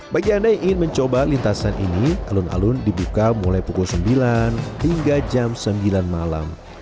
bagi anda yang ingin mencoba lintasan ini alun alun dibuka mulai pukul sembilan hingga jam sembilan malam